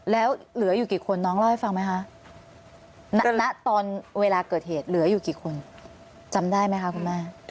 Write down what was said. แล้วเหลืออยู่กี่คนน้องเล่าให้ฟังไหมคะณตอนเวลาเกิดเหตุเหลืออยู่กี่คนจำได้ไหมคะคุณแม่